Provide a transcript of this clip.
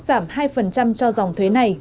giảm hai cho dòng thuế này